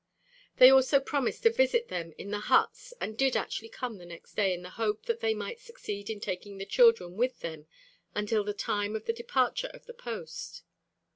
They also promised to visit them in the huts and did actually come the next day in the hope that they might succeed in taking the children with them until the time of the departure of the post.